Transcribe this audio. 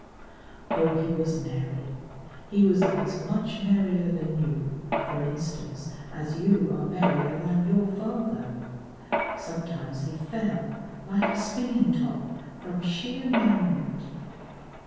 Oh, he was merry. He was as much merrier than you, for instance, as you are merrier than your father. Sometimes he fell, like a spinning top, from sheer merriment.